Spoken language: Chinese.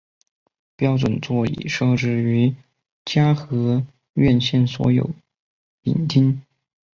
标准座椅设置于嘉禾院线所有影厅。